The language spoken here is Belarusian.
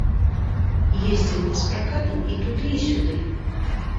Ездзім мы з пракатам і туды, і сюды.